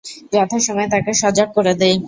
যথাসময়ে তাকে সজাগ করে দেয়।